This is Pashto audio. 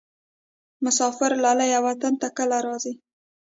مسافر لالیه وطن ته کله راځې؟